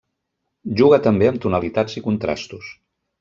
Juga també amb tonalitats i contrastos.